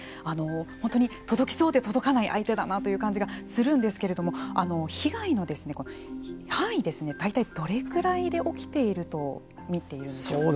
本当に届きそうで届かない相手だなという感じがするんですけれども被害の範囲ですね大体どれぐらいで起きているとみているんですか。